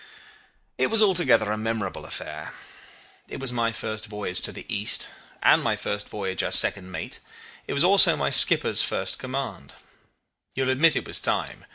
"It was altogether a memorable affair. It was my first voyage to the East, and my first voyage as second mate; it was also my skipper's first command. You'll admit it was time.